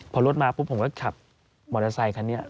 พอรถมาปุ๊บผมก็ขับมอเตอร์ไซคันนี้